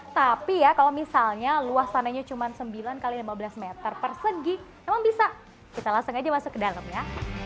tapi ya kalau misalnya luasannya cuma sembilan x lima belas meter persegi memang bisa kita langsung aja masuk ke dalam ya